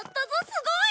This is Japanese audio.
すごい！